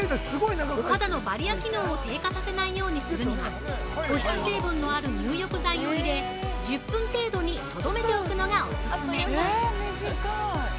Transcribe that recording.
お肌のバリア機能を低下させないようにするには保湿成分のある入浴剤を入れ、１０分程度にとどめておくのがオススメ。